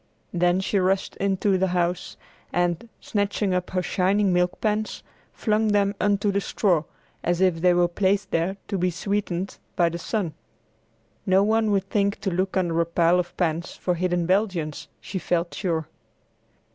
Then she rushed into the house and, snatching up her shining milk pans, flung them upon the straw, as if they were placed there to be sweetened by the sun. No one would think to look under a pile of pans for hidden Belgians, she felt sure.